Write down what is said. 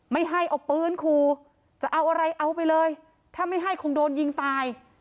ไม่ให้เอาปืนขู่จะเอาอะไรเอาไปเลยถ้าไม่ให้คงโดนยิงตาย